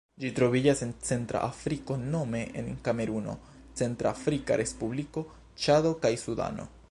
Ĝi troviĝas en centra Afriko nome en Kameruno, Centrafrika Respubliko, Ĉado kaj Sudano.